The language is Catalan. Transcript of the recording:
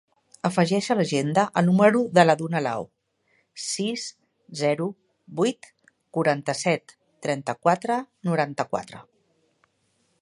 Afegeix a l'agenda el número de la Duna Lao: sis, zero, vuit, quaranta-set, trenta-quatre, noranta-quatre.